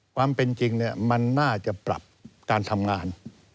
ความเป็นจริงมันน่าจะปรับการทำงาน